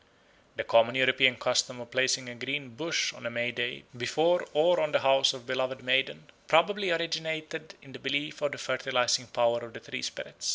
The common European custom of placing a green bush on May Day before or on the house of a beloved maiden probably originated in the belief of the fertilising power of the tree spirit.